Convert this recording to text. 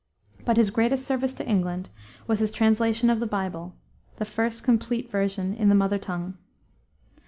But his greatest service to England was his translation of the Bible, the first complete version in the mother tongue.